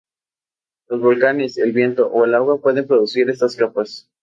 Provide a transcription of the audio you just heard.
Los volcanes, el viento, o el agua pueden producir estas capas.